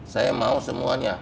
saya mau semuanya